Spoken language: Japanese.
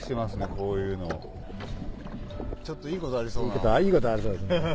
こういうの。いいことありそうですね。